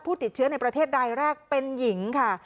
ผู้ติดเชื้อในประเทศใดราคเป็นหญิงค่ะ